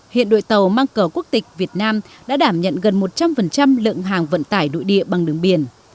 hiện đội tàu mang cờ quốc tịch việt nam đã đảm nhận gần một trăm linh lượng hàng vận tải nội địa bằng đường biển